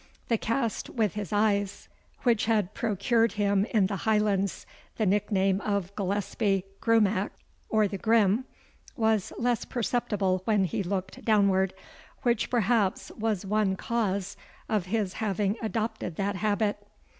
The cast with his eyes, which had procured him in the Highlands the nickname of Gillespie Grumach (or the grim), was less perceptible when he looked downward, which perhaps was one cause of his having adopted that habit.